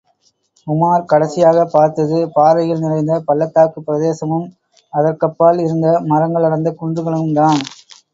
உமார் கடைசியாகப் பார்த்தது, பாறைகள் நிறைந்த பள்ளத்தாக்குப் பிரதேசமும் அதற்கப்பால் இருந்த மரங்கள் அடர்ந்த குன்றுகளும்தாம்!